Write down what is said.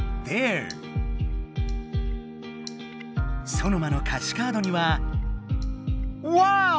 ソノマの歌詞カードにはワオ！